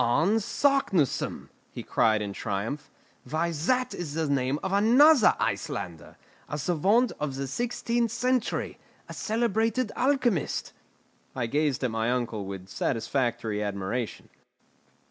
"Arne Saknussemm!" he cried in triumph. "Why that is the name of another Icelander, a savant of the sixteenth century, a celebrated alchemist!" I gazed at my uncle with satisfactory admiration.